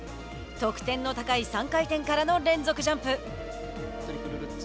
得点の高い３回転からの連続ジャンプ。